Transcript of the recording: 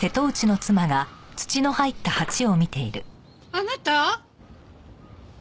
あなた？